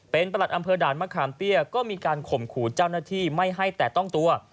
เป็นประหลัดอำเภอด่านมะขามเตี้ยก็มีการข่มขู่เจ้าหน้าที่ไม่ให้แต่ต้องตัว